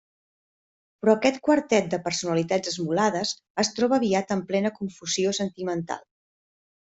Però aquest quartet de personalitats esmolades es troba aviat en plena confusió sentimental.